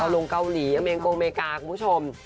เอาลงเกาหลีเอาลงเมริกาคุณผู้ชม